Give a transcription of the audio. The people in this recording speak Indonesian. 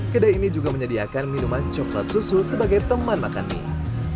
kedai ini juga menyediakan minuman coklat susu sebagai teman makan mie